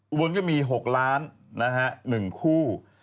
อุบลก็มี๖ล้าน๑คู่